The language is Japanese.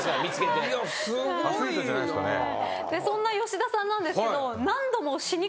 そんな吉田さんなんですけど。